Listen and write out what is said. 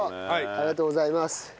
ありがとうございます。